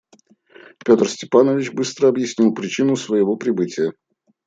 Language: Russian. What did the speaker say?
Петр Степанович быстро объяснил причину своего прибытия.